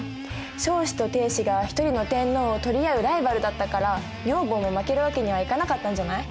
彰子と定子が一人の天皇を取り合うライバルだったから女房も負けるわけにはいかなかったんじゃない？